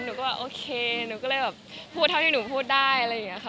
หนูก็แบบโอเคหนูก็เลยแบบพูดเท่าที่หนูพูดได้อะไรอย่างนี้ค่ะ